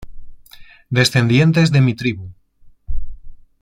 Descendientes de mi tribu.